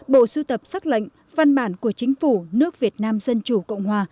bộ sưu tập sắc lệnh văn bản của chính phủ nước việt nam dân chủ cộng hòa